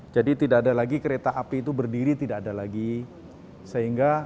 jadi tidak ada lagi kereta api itu berdiri tidak ada lagi sehingga